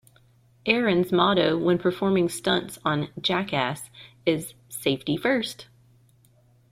Ehren's motto when performing stunts on "Jackass" is "Safety First.